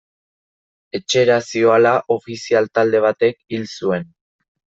Etxera zihoala ofizial-talde batek hil zuen.